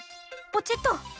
ポチッと。